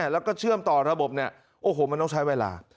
แล้วก็เชื่อมต่อระบบเนี่ยโอ้โหมันต้องใช้เวลา